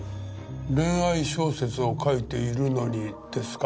恋愛小説を書いているのにですか？